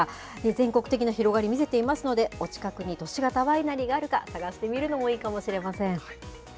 全国的な広がり見せていますので、お近くに都市型ワイナリーがあるか、探してみるのもいいかもしれません。